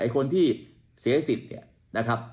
คนที่เสียสิทธิ์นะครับ